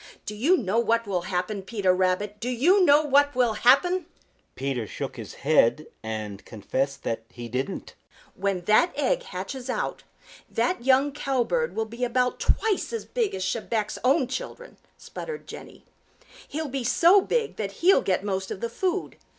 Do you know what will happen, Peter Rabbit? Do you know what will happen?" Peter shook his head and confessed that he didn't. "When that egg hatches out, that young Cowbird will be about twice as big as Chebec's own children," sputtered Jenny. "He'll be so big that he'll get most of the food.